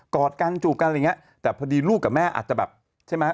กอดกันจูบกันอะไรอย่างนี้